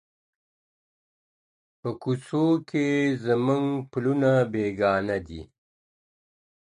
په كوڅو كي يې زموږ پلونه بېګانه دي.